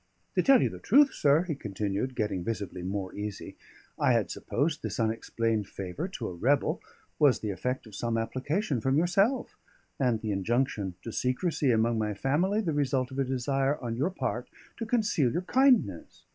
To tell you the truth, sir," he continued, getting visibly more easy, "I had supposed this unexplained favour to a rebel was the effect of some application from yourself; and the injunction to secrecy among my family the result of a desire on your part to conceal your kindness.